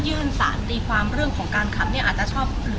ยื่นสารในความเรื่องของการขับเนี้ยอาจจะชอบหรือ